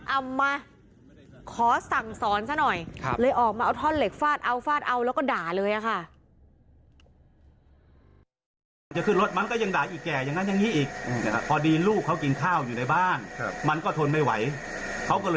เอามาขอสั่งสอนซะหน่อยเลยออกมาเอาท่อนเหล็กฟาดเอาฟาดเอาแล้วก็ด่าเลยอะค่ะ